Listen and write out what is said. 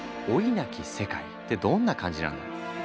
なき世界ってどんな感じなんだろう？